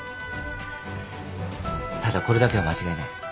ただこれだけは間違いない。